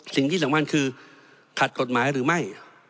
สิ่งที่สำคัญคือขัดกฎหมายหรือไม่